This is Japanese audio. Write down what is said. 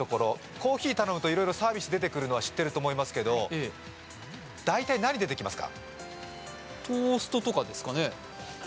コーヒー頼むといろいろサービス出てくるのは知ってると思いますけど大体何が出てきますか？